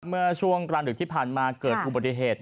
เมื่อช่วงกลางดึกที่ผ่านมาเกิดอุบัติเหตุ